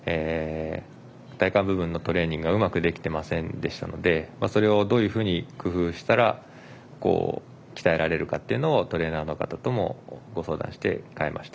体幹部分のトレーニングがうまくできていませんでしたのでそれをどういうふうに工夫したら鍛えられるかというのをトレーナーの方ともご相談して変えました。